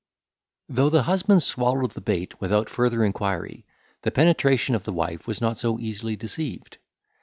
Though the husband swallowed the bait without further inquiry, the penetration of the wife was not so easily deceived.